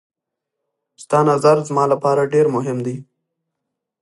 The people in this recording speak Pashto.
ستا نظر زما لپاره ډېر مهم دی.